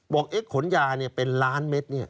บอกเอ๊ะขนยาเป็นล้านเม็ด